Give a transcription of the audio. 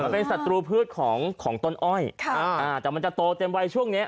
มันเป็นสัตว์ตูพืชของของต้นอ้อยค่ะอ่าอ่าแต่มันจะโตเต็มไวช่วงนี้